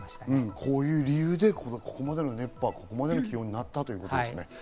こういう理由でここまでの熱波、気温になったということですね。